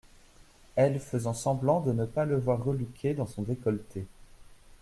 elle faisant semblant de ne pas le voir reluquer dans son décolleté.